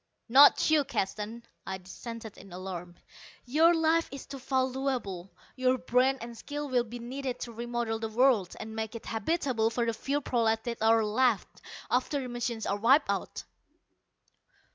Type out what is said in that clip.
"Not you, Keston," I dissented in alarm. "Your life is too valuable. Your brain and skill will be needed to remodel the world and make it habitable for the few prolats that are left, after the machines are wiped out."